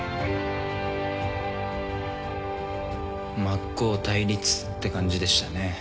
真っ向対立って感じでしたね。